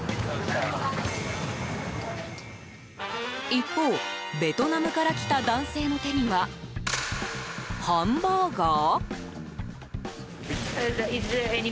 一方、ベトナムから来た男性の手にはハンバーガー？